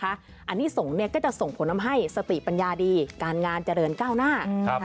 การส่งเนี่ยก็จะส่งผลให้สติปัญญาดีการงานเจริญก้าวหน้า